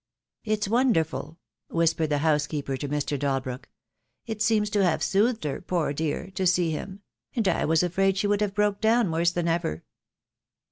"It's wonderful," whispered the housekeeper to Mr. Dalbrook; "it seems to have soothed her, poor dear, to see him — and I was afraid she would have broke down worse than ever."